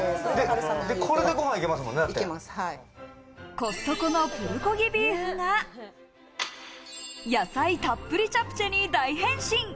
コストコのプルコギビーフが、野菜たっぷりチャプチェに大変身。